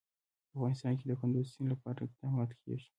په افغانستان کې د کندز سیند لپاره اقدامات کېږي.